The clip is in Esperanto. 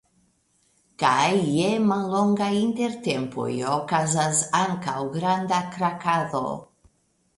Kaj je mallongaj intertempoj okazas ankaŭ granda krakado.